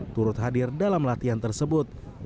turut hadir dalam latihan tersebut